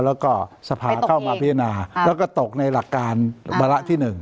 แล้วก็สภาเข้ามาพินาแล้วก็ตกในหลักการบาระที่หนึ่ง